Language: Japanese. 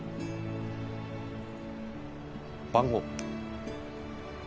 番号。